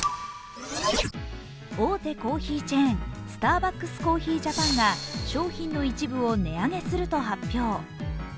大手コーヒーチェーン、スターバックスコーヒージャパンが商品の一部を値上げすると発表。